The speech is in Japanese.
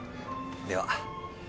では